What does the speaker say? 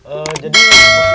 ee jadi pasif pasif pun